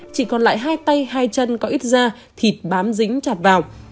chỉ còn lại hai tay hai chân có ít da thịt bám dính chặt vào